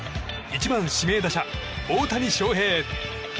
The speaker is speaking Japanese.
１番指名打者、大谷翔平。